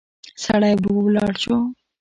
سړی ورو ولاړ شو.